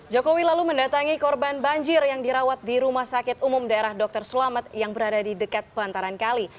jokowi lalu mendatangi korban banjir yang dirawat di rumah sakit umum daerah dr sulamet yang berada di dekat bantaran kali